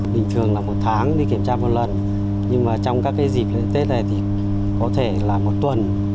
bình thường là một tháng đi kiểm tra một lần nhưng mà trong các dịp lễ tết này thì có thể là một tuần